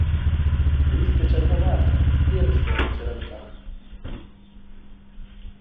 Лісце чаргаванае, перыстае, на чаранках.